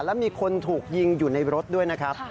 และมีคนถูกยิงอยู่ในรถด้วยนะครับ